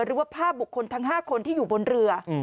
หรือว่าภาพบุคคลทั้ง๕คนที่อยู่บนเรือ